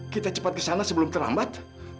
kita cepat ke sana sebelum terlambat